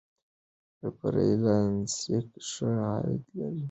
فری لانسینګ ښه عاید لري.